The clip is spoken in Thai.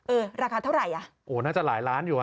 ราคาเท่าไหร่อ่ะโอ้น่าจะหลายล้านอยู่อ่ะ